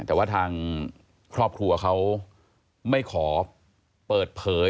แต่ว่าทางครอบครัวเขาไม่ขอเปิดเผย